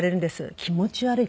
「気持ち悪い。